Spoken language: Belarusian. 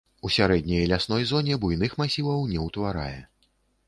У сярэдняй лясной зоне буйных масіваў не ўтварае.